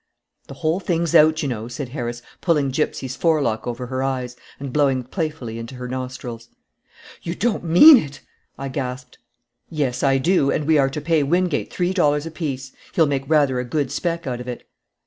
"The whole thing's out, you know," said Harris, pulling Gypsy's forelock over her eyes and blowing playfully into her nostrils. "You don't mean it!" I gasped. "Yes, I do, and we are to pay Wingate three dollars apiece. He'll make rather a good spec out of it."